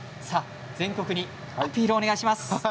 全国にアピールをお願いします。